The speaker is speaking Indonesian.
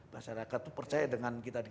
masyarakat itu percaya dengan kita di